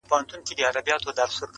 ژوند که ورته غواړې وایه وسوځه!.